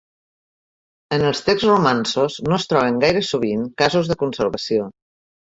En els texts romanços no es troben gaire sovint casos de conservació.